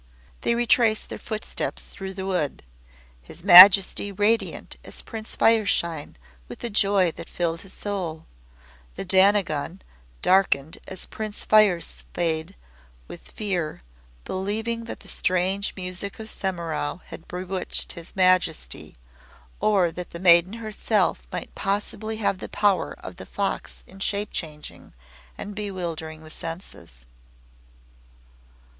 They retraced their steps through the wood; His Majesty radiant as Prince Fireshine with the joy that filled his soul; the Dainagon darkened as Prince Firefade with fear, believing that the strange music of Semimaru had bewitched His Majesty, or that the maiden herself might possibly have the power of the fox in shape changing and bewildering the senses.